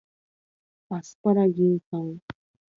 アスパラギン酸